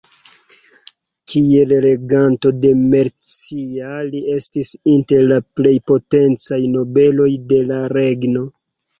Kiel reganto de Mercia, li estis inter la plej potencaj nobeloj de la regno.